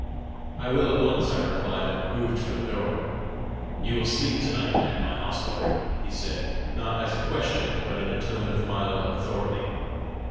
"I will at once!" I replied, and moved for the door. "You will sleep to night at my hostelry!" he said not as a question, but in a tone of mild authority.